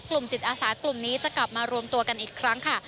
จิตอาสากลุ่มนี้จะกลับมารวมตัวกันอีกครั้งค่ะ